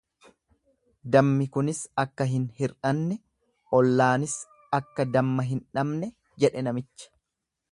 Dammi kunis akka hin hir'anne ollaanis akka damma hin dhabne jedhe namichi.